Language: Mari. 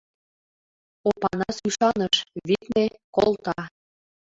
Опанас ӱшаныш, витне: колта.